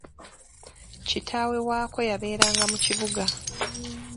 Kitaawe waako, yabeeranga mu kibuga.